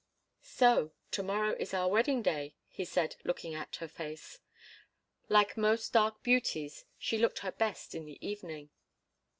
"So to morrow is our wedding day," he said, looking at her face. Like most dark beauties, she looked her best in the evening.